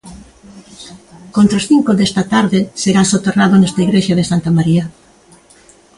Contra as cinco desta tarde será soterrado nesta igrexa de Santa María.